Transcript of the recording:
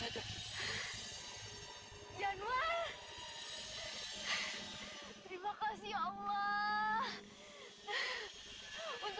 terima kasih pak